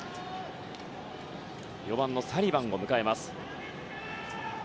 ４番のサリバンを迎えます。